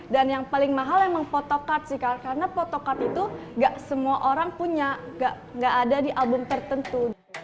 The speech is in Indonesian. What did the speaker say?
dan yang paling mahal memang photocard sih karena photocard itu gak semua orang punya gak ada di album tertentu